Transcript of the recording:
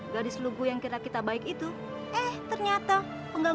belanja jumur pakaian pokoknya apapun yang